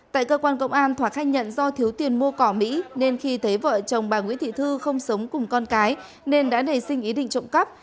tại cơ quan công an thỏa nhận do thiếu tiền mua cỏ mỹ nên khi thấy vợ chồng bà nguyễn thị thư không sống cùng con cái nên đã nảy sinh ý định trộm cắp